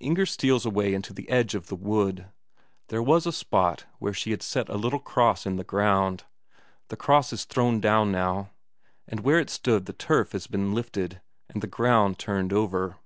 Inger steals away into the edge of the wood. There was a spot where she had set a little cross in the ground; the cross is thrown down now, and where it stood the turf has been lifted, and the ground turned over.